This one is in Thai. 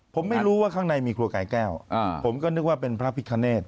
ผมไม่รู้ว่าข้างในมีครัวไก่แก้วผมก็นึกว่าเป็นพระพิคเนต